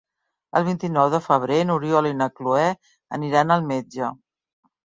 El vint-i-nou de febrer n'Oriol i na Cloè aniran al metge.